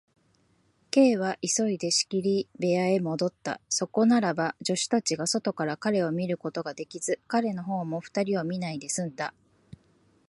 Ｋ は急いで仕切り部屋へもどった。そこならば、助手たちが外から彼を見ることができず、彼のほうも二人を見ないですんだ。